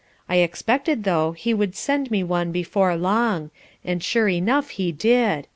I expected, though, he would send me one before long, and sure enough he did.